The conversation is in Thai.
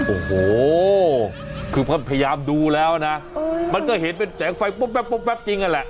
โอ้โหคือพยายามดูแล้วนะมันก็เห็นเป็นแสงไฟปุ๊บแป๊บจริงนั่นแหละ